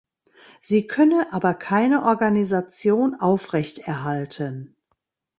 Sie könne aber keine Organisation aufrechterhalten.